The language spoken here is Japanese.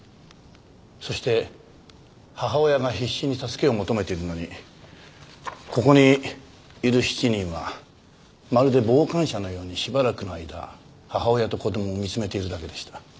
そして母親が必死に助けを求めているのにここにいる７人はまるで傍観者のようにしばらくの間母親と子供を見つめているだけでした。